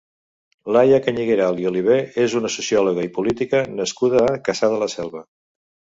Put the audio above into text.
Laia Cañigueral i Olivé és una sociòloga i política nascuda a Cassà de la Selva.